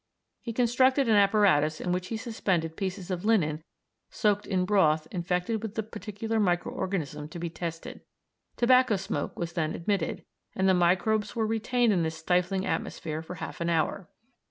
He constructed an apparatus in which he suspended pieces of linen soaked in broth infected with the particular micro organism to be tested. Tobacco smoke was then admitted, and the microbes were retained in this stifling atmosphere for half an hour.